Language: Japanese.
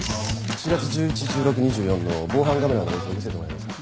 ４月１１１６２４の防犯カメラの映像見せてもらえますか？